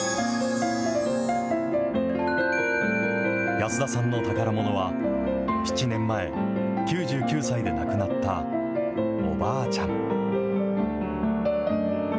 安田さんの宝ものは、７年前、９９歳で亡くなったおばあちゃん。